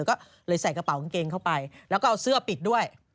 ก็เลยใส่กระเป๋ากางเกงเข้าไปแล้วก็เอาเสื้อปิดด้วย